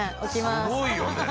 すごいよね。